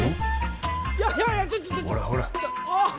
いやいやちょっちょっほらほらあっ